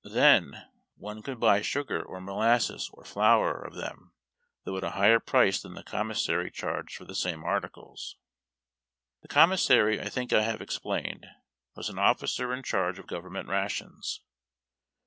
Then, one could buy sugar or molasses or flour of them, though at a higher price than the commissary charged for the same articles. The commissary, I think I have explained, was an officer in charge of government rations.